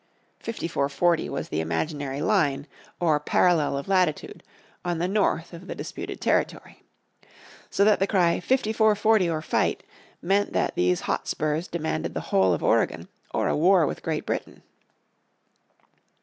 Fifty four Forty was the imaginary line or parallel of latitude on the north of the disputed territory. So that the cry "Fifty four Forty or Fight" meant that these hotspurs demanded the whole of Oregon or war with Great Britain.